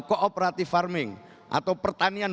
kooperatif farming atau pertanian